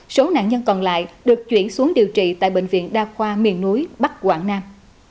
số nạn nhân còn lại được chuyển xuống điều trị tại bệnh viện đa khoa miền núi bắc quảng nam